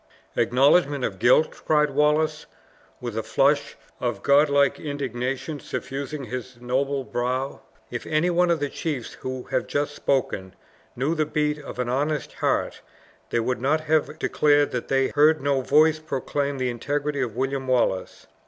"Acknowledgment of guilt!" cried Wallace, with a flush of god like indignation suffusing his noble brow. "If any one of the chiefs who have just spoken knew the beat of an honest heart, they would not have declared that they heard no voice proclaim the integrity of William Wallace.